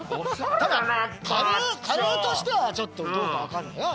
ただカレーとしてはちょっとどうか分かんないよ。